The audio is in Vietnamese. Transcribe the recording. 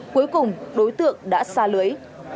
cuối cùng đối tượng đã xa lưới